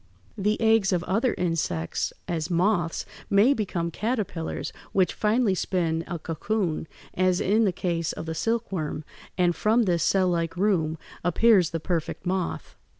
The eggs of other insects, as moths, may become caterpillars, which finally spin a cocoon, as in the case of the silkworm, and from this cell like room appears the perfect moth.